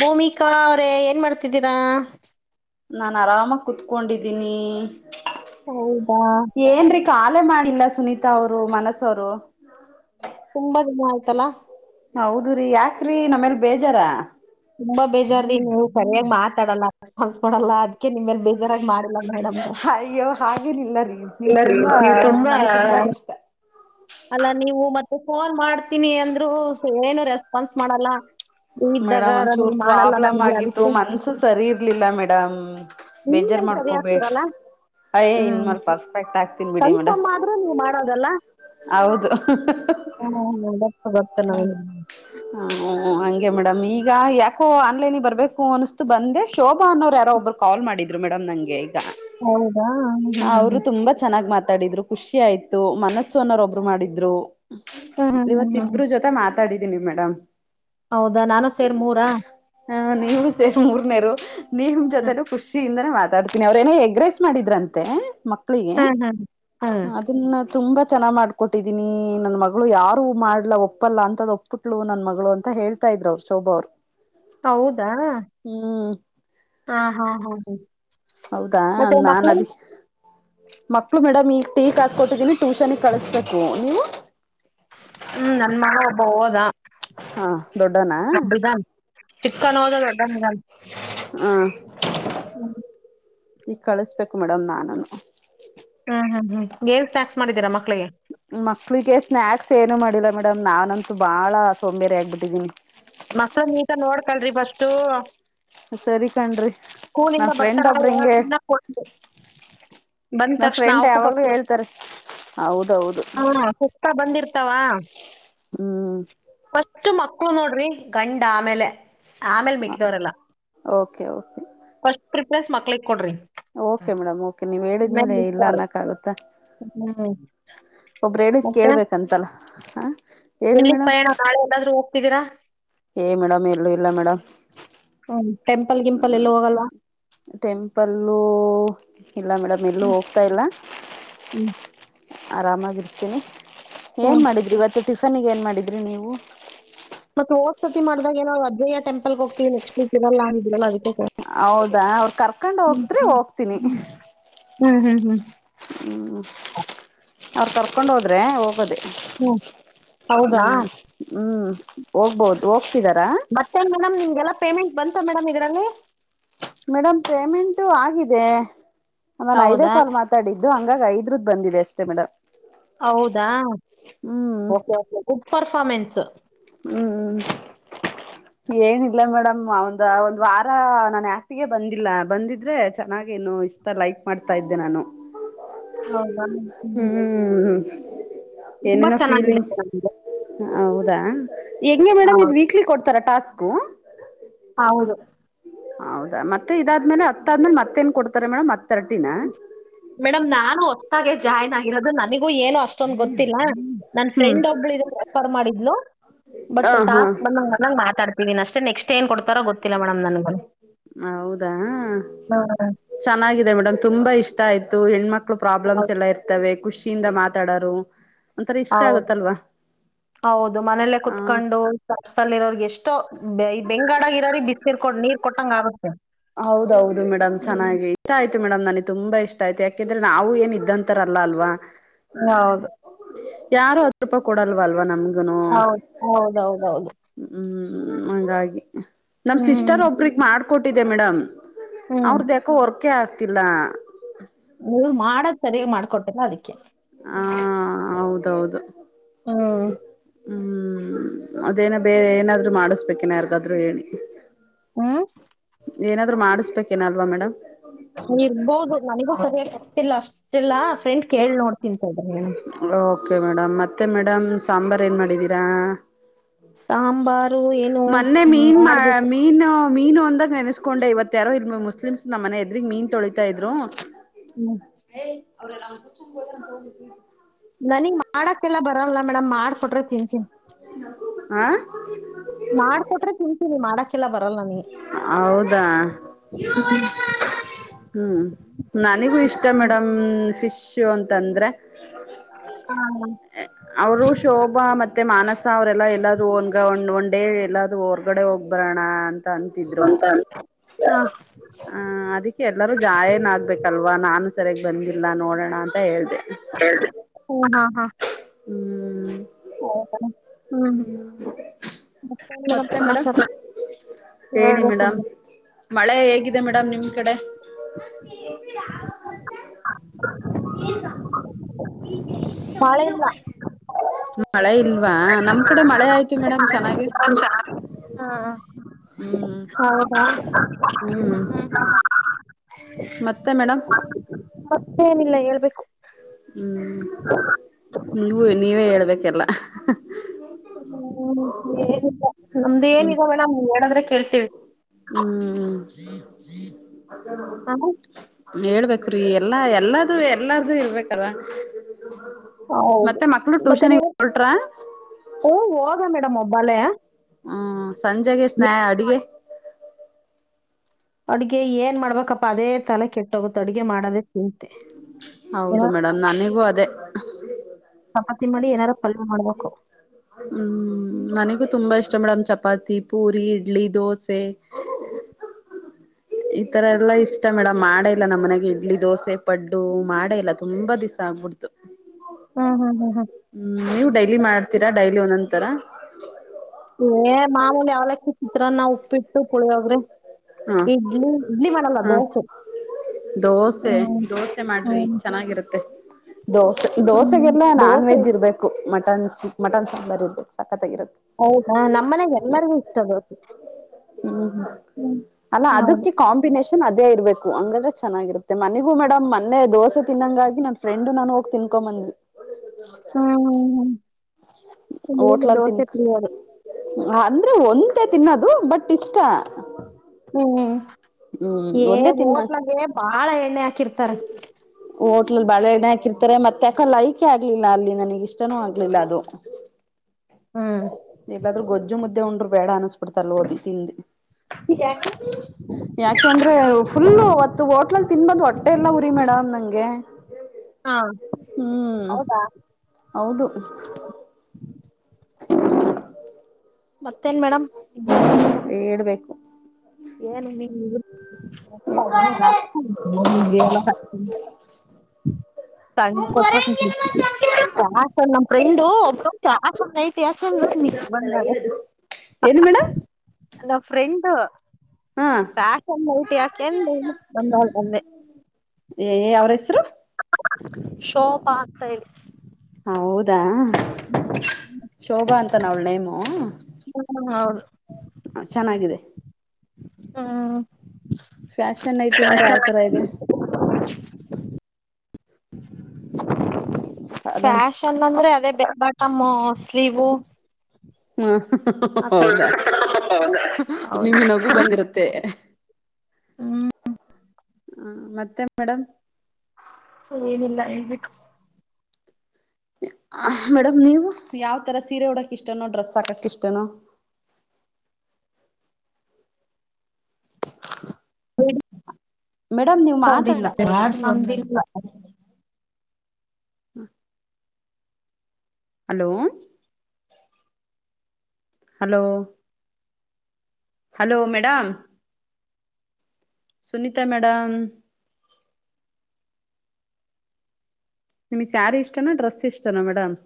ಭೂಮಿಕಾ ಅವ್ರೆ ಏನ್ ಮಾಡ್ತಿದ್ದೀರಾ ನಾು ಆರಾಮ ಕುೂತ್ಕೊಂಡಿದ್ದೀನಿ ಹೌದಾ ಏನ್ರೀ ಕಾಲೆ ಮಾಡಿಲ್ಲ ಸುನೀತಾ ಅವರು ಮನಸ್ಸವರು ತುಂಬಾ ದಿನ ಆಯ್ತಲ್ಲಾ ಹೌದ್ರರಿ ಯಾಕ್ರೀ ನಮ್ಮೇಲ್ ಬೇಜಾರ ತುಂಬಾ ಬೇಜಾರ್ ನೀ ನೀವು ಸರಿಯಾಗಿ ಮಾತಾಡಲ್ಲ ರೆಸ್ಪಾನ್ಸ್ ಮಾಡಲ್ಲ ಅದಕಕ್ಕೆ ನಿಮೇಲ್ ಬೇಜ ಮಾಡಿಲ್ಲ ಮೇಡಮ್ ಅಯ್ಯೋ ಹಾಗೇನಿಲ್ಲ ರೀ ನೀವ್ ತುಂಬಾ ತುಂಬಾ ನನಗ್ ಇಷ್ಟ ಅಲ್ಲ ನೀವು ಮತ್ತೆ ಸೋ ಮಾಡ್ತೀನಿ ಅಂದ್ರು ಏನು ರೆಸ್ಪಾನ್ಸ್ ಮಾಡಲ್ಲ್ದಾಗ ಒಂಚೂರು ಪ್ರಾಬ್ಲಮ್ ಆಗಿತ್ತು ಮನ್ಸು ಸರಿ ಇರ್ಲಿಲ್ಲ ಮೇಡಮ್ ಬೇಜಾರ್ ಮಾಡ್ಕೋಬೇು ಅಲ ಅಯ ಇನ್ ಮಾರ ಪರ್ಫೆಕ್ಟ್ ಆಗ್ತನ್ ಬಿಡಿ ಮೇಡ ಕನ್ಫರ್ಮ್ ಆದ್ರೂ ನೀವು ಹೌದು ಹ್ಮ ಹಾ ಬತ್ತು ಬತ್ತ ನ ಹ ಹಗೆ ಮೇಡಮ್ ಈಗ ಯಾಕೋ ಆನ್ಲೈನ್ಿಗೆ ಬರ್ಬೇಕು ಅನಿಸತು ಬಂದೆ ಶೋಭಾ ಅನ್ನೋ ಯಾರೋ ಒಬ್ಬರು ಕಲ್ ಮಾಡ್ರು ಮೇಡಮ್ ನಂಗೆ ಈಗ ಹ್ಮ ಹ ಅವ್ರು ತುಂಬಾ ಚೆನ್ನಾಗ್ ಮಾತ್ ಮಾತಾಡಿದ್ರು ಖುಷಿ ಆಯ್ತು ಮನಸ್ಸುನ್ನೋರುೊಬ್ರು ಮಾಡಿದ್ರು ಹ್ಮ್ ಹ್ಮ್ ಹ್ಮ್ ಇವತ್ತಬ್ರು ಜೊತೆ ಮಾತ ಮಾತಾಡಿದೀನಿ ಮೇಡಮ್ ಹೌದಾ ನಾನು ಸೇರ್ ಮೂರಾ ಹ ನೀವು ಸೇರ್ ಮೂರನೇರು ನೀಮ್ ಜೊತೆ ಖುಷಿಯಿಂದ ಮಾತಾಡ್ತೀನಿ ಅವ್ರ ಏನೇ ಎಗ್ರೆಸ್ ಮಾಡಿದ್ರಂತೆ ಮ ಮಳಿಗೆ ಹ್ಮ್ ಹ್ಮ್ ಹ್ಮ್ ಅದನ್ನ ತುಂಬಾ ಚೆನ್ನಾಗಿ ಮಾಡ್ಕೊಟ್ಟಿದ್ದೀನಿ ನನ್ ಮಗಳು ಯಾರು ಮಾಡ್ಲ ಒಪ್ಪಲ್ಲ ಅಂತದ್ ಒಪ್ಪಟ್ಲು ನನ್ ಮಗಳು ಅಂತ ಹೇಳ್ತಾರೆ ಇದ್ರರು ಅವರು ಶೋಭಾ ಅವರು ಹೌದಾ ಹಾ ಹಾ ಹ ಹೌದಾ ನಾನ್ ಅದ ಮಕ್ಳು ಮೇಡಮ್ ಈಗ ಟೀ ಕಸ್ಕೊಟ್ಟಿದ್ದೀನಿ ಟ್ಯೂಷನ್ಿಗೆ ಕಳಿಸಬೇಕು ನೀವು ಹ್ಮ್ ನನ್ ಮಗ ಒಬ್ಬ ಹಾ ದೊಡ್ಡನಾ ದೊಡ್ಡದ ಚಿಕ್ಕನ್ ಓದ ದೊಡ್ಡವನಿದಾನ್ ಹಾಂ ಹ್ಮ್ ಈಗ ಕಳಿಸಬೇಕು ಮೇಡಮ್ ನಾನನು ಹ್ಮ ಹ್ಮ ಹ್ಮ್ ಏನ್ ಸ್ನಾಕ್ಸ್ ಮಾಡೀರಮ್ಮ ಮಕ್ಳಿಗೆ ಸ್ನಾಯಕ್ಸ್ ಏನು ಮಾಡಿಲ್ಲ ಮೇಡಮ್ ನಾನಂತೂ ಬಾಳ ಸೋಂಬ್ಯರ ಆಗಬಿಟ್ಟಿದೀನಿ ಮಕ್ಳ ನೀಟ ನೋಡ್ಕಲ್ರಿ ಬಫಸ್ಟು ಸರಿ ಕಣ್ರಿ ಸ್ಕೂಲಿಂದ ನನ್ ಫ್ರೆಂಡ್ ಬರ್ತಾರಾ ಒಬ್ರು ಹಿಂಗೆ ಬಂದ ನನ್ ತಕ್ಷಣ ಫ್ರೆಂಡ್ ಅವಕೂಪ ಯಾವಾಗ್ಲೂ ಹೇಳ್ತಾರೆ ಹೌದೌದು ಹ ಸತ ಬಂದಿರ್ತ ಹತವಾ ಹ್ಮ್ ಮಕ್ಕಳು ನೋಡ್ರಿ ಗಂಡ ಆಮೇಲೆ ಆಮೇಲೆ ಮಿಕ್ಕಿದವರೆಲ್ಲ ಓಕೆ ಓಕೆ ಸ್ಟ್ ಪ್ರಿಫನ್ಸ್ ಮಕ್ಳ ಓಕೆ ಮೇಡಮ್ ಓಕೆ ನೀವ್ ಹೇಳಿದ್ಮೇಲೆ ಇಲ್ಲ ಅನ್ನಕ್ಕ ಆಾಗುತ್ತಾ ಹ್ಮ ಕೇಳಬೇಕಂತಲ್ಲ ಹಾಂ ಎಲ್ಲಿಗ್ ಪ್ರಯಣ ನಾಳೆ ಎಲ್ಲಾದ್ ಹೋಗ್ತಿದ್ದೀರಾ ಹ್ಮ್ ಟೆಂಪಲ್ ಗಿಂಪಲ್ ಹ್ಮ ಎಲ್ಲೂ ಹೋಗಲ್ವಾ ಟೆಂಪಲ್ ಇಲ್ಲ ಮೇಡಮ್ ಎಲ್ಲೂ ಹ್ಮ್ ಹೋಗ್ತಾ ಇಲ್ಲ ಹ್ಮ್ ಆರಾಮಾಗಿರ್ತೀನಿ ಹ್ಮ್ ಏನ್ ಮಾಡಿದ್ರಿ ಇವತ್ತು ಟಿಫನ್ಿಗೆ ಏನ್ ಮಾಡಿದ್ರಿ ನೀವು ಮತ್ತೆ ದ್ಸತಿ ಮಾಡ್ದಾಗಏನಾವ ಅಜಯ ಟೆಂಪಲ್ಗೆ ಹೋಗ್ತವಿ ನೆಸ್ಟ್ ವೀಕ್ ಇರಲ್ಲಾರಲ್ಲ ಅದು ಹೌದಾ ಅವ್ರರು ಕರ್ಕೊಂಡ್ ಹೋಗದ್ರೆ ಹೋಗ್ತೀನಿ ಹ್ಮ್ ಹ್ಮ್ ಹ್ಮ್ ಅವರು ಕರ್ಕೊಂಡ್ ಹೋದ್ರೆ ಹೋಗದ ಹ್ಮ್ ಹೌದಾ ಹ್ಮ್ ಹ್ಮ್ ಮತ್ತೆ ಮೇಡಮ್ ನಿಮ್ಗೆಲ್ಲ ಪೇಮೆಂಟ್ ಬಂತು ಮೇಡಮ್ ಇದರಲ್ಲಿ ಮೇಡಮ್ ಪೇಮೆಂಟು ಆಗಿದೆ ನಾನು ಐದೇ ಹೌದಾ ಸರ್ ಮಾತಾಡಿದ್ದ ಅದು ಹಂಗಾಗಿ ಐದ್ರದ ಬಂದಿದೆ ಅಷ್ಟೇ ಮೇಡಮ್ ಹೌದಾ ಹ್ಞೂ ಗುಡ್ ಪರ್ಫ್ಮೆನ್ಸ್ ಹ್ಞೂ [unintelligible] ಏನಿಲ್ಲ ಮೇಡಮ್ ಒಂದ ಒಂದು್ ವಾರ ನಾನ ಆಪಿಗೆ ಬಂದಿಲ್ಲ ಬಂದಿದ್ರೆ ಚೆನ್ನಾಗೇನು ಇಷ್ಟ ಲೈಕ್ ಮಾಡ್ತಾ ಇದ್ದೆ ನಾನು ಹಾ ಹ್ಮ್ ಹ್ಮ್ ತುಂಬಾ ಏನನ ಚೆನ್ನಾಗಿದೆ ಫೀಲಿಂಗ್ಸ್ ಇದು. ಹೌದಾ ಹೆಂಗೆ ಮೇಡಮ್ ಇ ಹೌದು ವೀಕ್ಲಿ ಕೊಡ್ತಾರಾ ಟಾಸ್ಕ್ು ಹೌದು ಹೌದಾ ಮತ್ತೆ ಇದಾದ್ಮೇಲೆ ಅತ್ತಾದ್ಮೇಲೆ ಮತ್ತೇನ್ ಕೊಡ್ತಾರೆ ಮೇಡಮ್ ಮತ್ತ ಮೇಡಮ್ ನಾನು ಹೊತ್ತಾಗ ಜಾಯ್ನ್ ಆಗಿರೋದು ನನಗೂ ಏನೋ ಅಷ್ಟೊಂದು ಬಂದು ನನ್ ಹ್ಮ್ ಫ್ರೆಂಡ್ ಒಬ್ಳ ಇದಫರ್ ಮಾಡಿದ್ನು ಹ ಬಟ್ ಹಾ ಟಾಸ್ಕ್ ಬಂದಂಗ ಬಂದಂಗಗೆ ಮಾತಾಡ್ತೀವಿಿನ್ ಅಷ್ಟೇ ನೆಕ್ಸ್ಟ್ ಷ್ಟ ಏನ್ ಕೊಡ್ತಾರ ಗೊತ್ತಿಲ್ಲ ಮೇಡಮ್ ನನ್ ಹೌದಾ ಹ ಚೆನ್ನಾಗಿದೆ ಮೇಡಮ್ ತುಂಬಾ ಇಷ್ಟ ಆಯ್ತು ಹೆಣ್ಮಕ್ಳು ಪ್ರಾಬ್ಲಮ್ಸ್ ಎಲ್ಲಾ ಇರ್ತವೆ ಖುಷಿಯಿಂದ ಮಾತಾಡರು ಹೌದು ಹೌದು ಮನೇಲ್ಲೇ ಹ ಕುತ್ಕೊಂಡುಲ್ಲಿರೋಗೆ ಎಷ್ಟೋ ಈ ಬೆಂಗಡಗ ಇರೀ ಬಿಸ್ರ್ಕೊಂಡು ನೀರ್ ಕೊಟ್ಟಂಗ ಆಗುತ್ತೆ ಹೌದೌದು ಮೇಡಮ್ ಹ್ಮ್. ಚೆನ್ನಾಗಿ ಇಷ್ಟ ಆಯ್ತು ಮೇಡಮ್ ನನಗೆ ತುಂಬಾ ಇಷ್ಟ ಆಯತು ಯಾಕೆಂದ್ರೆ ನಾವು ಏನ ಇದಂತರ ಅಲ್ಲ ಅಲ್ವಾ ಹೌದು ಯಾರು ಹತ್ತು ರೂಪಾಯಿ ಕೊಡಲ್ವ ಅಲ್ವಾ ನಮಗನು ಹೌದು. ಹೌದೌದೌದು. ಹ್ಮ್ ಹ್ಮ್ ಹಾಗಾಗಿ ನಮ ಸಿಸ್ಟರ್ ಹ್ಮ್. ಒಬ್ಬರಿಗೆ ಮಾಡ್ಕೊಟ್ಟಿದ್ದೆ ಮೇಡಮ್ ಹ್ಮ್. ಅವ್ರ್ದ ಯಾಕೋ ವರ್ಕ್ಹೇ ಆಗ್ತಿಲ್ಲ ನೀ ಮಾಡ ಸರಿಯ ಮಾಡ್ಕೊಟ್ಟರ ಅದಕ್ಕೆ ಹಾ ಹೌದೌದು ಹ್ಮ್. ಹ್ಮ್ ಅದೇನ ಬೇರೆ ಏನಾದ್ರು ಮಾಡಿಸ್ಬೇಕೇನ ಯಾರಿಗಾದ್ರು ಹೇಳಿ ಹ್ಮ ಏನಾದ್ರು ಮಾಡಿಸ್ಬೇಕೇನ ಅಲ್ವಾ ಮೇಡಮ್ ಇಲ್ಲ ಅಷ್ಟೆಲ್ಲ ಫ್ರೆಂಡ್ ಕೇಳಿ ನೋಡ್ತೀನಿ ತಡ್ರಿ ಮೇಡಮ್ ಮೇಡ್ ಮತ್ತೆ ಮೇಡಮ್ ಸಾಂಬಾರ್ ಏನ್ ಮಾಡಿದೀರಾ ಸಾಂಬಾರ್ ಮೊನ್ನೆ ಮೀನ್ ಮೀನು ಮೀನು ಅಂದಾಗ ನೆನೆಸ್ಕೊಂಡ ಇವತ್ತ ಯಾರು ಇಲ್ ಮುಸ್ಲಿಮ್ಸ್ ನಮ್ಮ ಮನೆ ಎದ್ರಗ್ ಮೀನ್ ತೊಳಿತಾ ಇದ್ರು ಹ್ಮ್. [unintelligible] ನನಗ್ ಮಾಡಕೆಲ್ಲ ಬರಲ್ಲ ಮೇಡಮ್ ಮಾಡ್ಕೊಟ್ರೆ ತಿಂತೀನಿ ಹಾ ಮಾಡಾಕೊಟ್ರೆ ತಿಂತೀನಿ ಮಾಡಕ್ ಹೌದಾ ಹ್ಮ್ ನನಿಗೂ ಇಷ್ಟ ಮೇಡಮ್ ಫಿಶ್ ಅಂತಂದ್ರೆ ಅವರು ಶೋಭಾ ಮತ್ತೆ ಮಾನಸ ಅವರೆಲ್ಲ ಎಲ್ಲಾದರೂ ಒನ್ಗ ಒಂದು ಡೇ ಎಲ್ಲಾದರೂ ಹೊರ್ಗಡೆ ಹೋಗ್ ಬರೋಣ ಅಂತ ಅಂತಿದ್ರು ಅಂತ ಹಾ ಆ ಅದಕ್ಕೆ ಎಲ್ಲರೂ ಜಾಯನ್ ಆಗ್ಬೇಕಲ್ವಾ ನಾನು ಸರಿಯಾಗಿ ಬಂದಿಲ್ಲ ನೋಡೋಣ ಅಂತ ಹೇಳಿದೆ ಹಾ ಹಾ ಹಾ ಹ್ಮ್ ಹೌದ ಹ್ಮ್ ಮತ್ತೆನು ಮತ್ತೆ ಮೇಡಮ್ ಸಮಾಚಾರ ಹೇಳಿ ಹೇಳ್ಬೇಕು ಮೇಡಮ್ ಮಳೆ ಹೇಗಿದೆ ಮೇಡಮ್ ನಿಮ್ ಕಡೆ [unintelligible] ಬಾಳೆ ಇಲ್ಲ [unintelligible] ಮಳೆ ಇಲ್ವಾ ನಮ್ ಕಡೆ ಮಳೆ ಆಯ್ತು ಮೇಡಮ್ ಚೆನ್ನಾಗಿ ಹ್ಮ ಹ್ಮ್ ಹ ಹಾ ಹ್ಮ್ ಹ ಮತ್ತೆ ಮೇಡಮ್ ಮತ್ತೇನಿಲ್ಲ ಹೇಳ್ಬೇಕು ಹ್ಮ್ ನೀ ನೀವೇ ಹೇಳ್ಬೇಕಲ್ಲ ಹ್ಮ ಏನ್ ನಮ್ದ ಹ್ಮ್ ಏನಿಲ್ಲ ಮೇಡಮ್ ನೀವ್ ಹೇಳಿದ್ರೆ ಕೇಳ್ತೀವಿ [unintelligible] ಹ ಹೇಳ್ಬೇಕುರೀ ಎಲ್ಲಾ ಎಲ್ಲಾರೂ ಎಲ್ಲಾರ್ದು ಇರ್ಬೇಕು ಇರ್ಬೇಕಲ್ಲ ಹೌದು ಮತ್ತೆ ಮಕ್ಳು ಮತ್ತೆ ಟ್ಯೂಷನ್ಗ್ ಹೊರಟ್ರ ಹು ಹೋದ ಮೇಡಮ್ ಒಬ್ಬಳೇ ಹ್ಮ್ ಸಂಜೆಗೆ ಸ್ನ ಅಡಿಗೆ ಅಡುಗೆ ಏನ್ ಮಾಡ್ಬೇಕಪ್ಪಾ ಅದೇ ತಲೆ ಕೆಟ್ಟೋಗುತ್ತೆ ಅಡ್ಗೆ ಮಾಡೋದೇ ಹೌದು ಏನಾರ ಮೇಡಮ್ ನನಿಗೂ ಅದೇ ಚಪಾತಿ ಮಾಡಿ ಏನಾರು ಪಲ್ಯ ಮಾಡ್ಬೇಕು ಹ್ಮ್ ನನಗೂ ತುಂಬಾ ಇಷ್ಟ ಮೇಡಮ್ ಚಪಾತಿ ಪೂರಿ ಇಡ್ಲಿ ದೋಸೆ [unintelligible] ಈ ತರ ಎಲ್ಲಾ ಇಷ್ಟ ಮೇಡಮ್ ಮಾಡೇ ಇಲ್ಲ ನಮ್ಮ್ ಮನೆಗೆ ಇಡ್ಲಿ ದೋಸೆ ಪಡ್ಡು ಮಾಡೇ ಇಲ್ಲ ತುಂಬಾ ದಿವಸ ಆಗ್ಬಿಡ್ತು ಹ್ಮ್ ಹ್ಮ್ ಹ್ಮ್ ಹ್ಮ್ ನೀವು ಡೈಲಿ ಮಾಡ್ತೀರಾ ಡೈಲಿ ಒಂದೊಂತರ ಏ ಮಾಮೂಲಿ ಅವಲಕ್ಕಿ ಚಿತ್ರಾನ್ನ ಉಪ್ಪಿಟ್ಟು ಕುಳಿಯೋಗ್ರೆ ಹಾ ಇಡ್ಲಿ ಇಡ್ಲಿ ಮಾಡಲ್ಲ ಹಾ ದೋಸೆ ದೋಸೆ ಹ್ಮ್ ದೋಸೆ ಮಾಡ್ರಿ ಹ್ಮ್ ಚೆನ್ನಾಗಿರುತ್ತೆ ದೋಸೆ ಹ್ಮ್ ದೋಸೆಗೆಲ್ಲ ದೋಸೆ ನಾನ್ ವೆಜ್ ಇರ್ಬೇಕು ಮಟನ್ ಚಿ ಮಟನ್ ಸಾಂಬಾರ್ ಇರ್ಬೇಕು ಸರ್ ಹೌದಾ ನಮ್ಮ ಮನೆಗೆ ಎಲ್ಲರಿಗೂ ಇಷ್ಟ ಬೋ ಹ್ಮ್ ಹ್ಮ್ ಅಲ್ಲ ಹೌದ್. ಅದಕ್ಕೆ ಕಾಂಬಿನೇಷನ್ ಅದೇ ಇರ್ಬೇಕುಂಗಂದ್ರೆ ಚೆನ್ನಾಗಿರುತ್ತೆ ಮನಗೂ ಮೇಡಮ್ ಮೊನ್ನೆ ದೋಸೆ ತಿನ್ನಂಗಾಗಿ ನನ್ ಫ್ರೆಂಡ್ ನಾನು ಹೋಗಿ ತಿ ಮ ಹ್ಮ ಹೋಟ್ಲಲ್ ತಿನ್ ಅ್ರ ಒಂದ ಮತ್ತೆ ತಿನ್ನದು ಬಟ್ ಇಷ್ಟ ಹ್ಮ್ ಹ್ಮ್ ಏ ಒಂದೇ ತಿನ್ನ ಹೋಟ್ಲಗೆ ಬಾಳ ಎಣ್ಣೆ ಹಾಕಿರ್ತಾರ ಹೋಟ್ಲಲ್ ಬಾಳ ಎಣ್ಣ ಹಾಕಿರ್ತಾರೆ ಮತ್ತೆ ಯಾಕಲ್ಲ ಯಕೆ ಆಗ್ಲಿಲ್ಲ ಅಲ್ಲಿ ನನಗ ಇಷ್ಟನೂ ಆಗ್ಲಿಲ್ಲ ಅದು [unintelligible] ಎಲ್ಲಾದ್ರೂ ಗೊಜ್ಜು ಮುದ್ದೆ ಉಂಡ್ರು ಬೇಡ ಅನ್ಸ್ಬಿಡ್ತಲ್ ಓದಿ ತಿಂದಿ ಜಕ್ಕೇ ಯಾಕೆಂದ್ರೆ ಫುಲ್ಲು ಅವತ್ತು ಹೋಟ್ಲಲ್ ತಿನ್ ಬಂದು ಹೊಟ್ಟೆ ಎಲ್ಲ ಉರಿ ಮೇಡಮ್ ನಂಗೆ ಹಾ ಹ್ಮ್ ಹೌದಾ ಹೌದು ಮತ್ತೇನ್ ಮೇಡಮ್ ಹೇಳ್ಬೇಕು ಏನು ಹ್ಮ ಚಾ ನಮ್ ಫ್ರೆಂಡು ಒಬ್ಬ ಚಾ ಐಲ್ ಬ ಏನು ಮೇಡಮ್ ಅಲೋ ಫ್ರೆಂಡ್ [inaudible] ಹಾ ಫ್ಯಾಷನ್ ಊಟಿ ಯಾಕ ಬಂದೆ ಏ ಅವ್ರ ಹೆಸರು ಶೋಭಾ ಅಂತ ಹೇಳಿ ಹೌದಾ ಶೋಭಾ ಅಂತ ನ ಅವಳ ನೇಮು ಹ್ಮ್ ಹೌ ಚೆನ್ನಾಗಿದೆ ಹ್ಮ ಫ್ಯಾಷನ್ ಐ ಟಿ ಅಂದ್ರೆ ಯಾವ್ ತರ ಇದೆ ಅದ ಫ್ಯಾಷನ್ ಅಂದ್ರೆ ಅದೇ ಬೆಗ್ ಬಟಮ್ ಸ್ಲೀವು ಹ್ಮ ಹೌದಾ ನಿಮ್ಮಿನಗು ಬಂದಿರುತ್ತೆ ಹ ಮತ್ತೆ ಮೇಡಮ್ ಏನಿಲ್ಲ ಹೇಳ್ಬೇಕು ಮೇಡಮ್ ನೀವು ಯಾವ್ತರ ಸೀರೆ ಉಡಕ್ ಇಷ್ಟನೋ ಡ್ರೆಸ್ ಹಾಕಕ್ ಇಷ್ಟನೋ ಹ ಹೌ ಮೇಡಮ್ ನೀವು ಮಾತಾಡ್ತಾ ಇಲ್ಲ ನಮ್ದಿಲ್ಲ ಹ್ಮ hello hello hello madam Sunita madam ನಿಮಗ್ ಸ್ಯಾರಿ ಇಷ್ಟನಾ ಡ್ರೆಸ್ ಇಷ್ಟನಾ ಮೇಡಮ್